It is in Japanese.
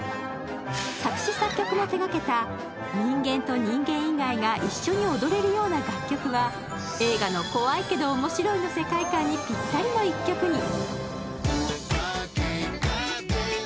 作詞作曲も手がけた人間と人間以外が一緒に踊れるような楽曲は映画の怖いけど面白いの世界観にぴったりの一曲に。